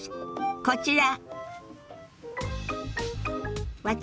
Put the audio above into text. こちら。